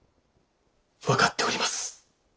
分かっております。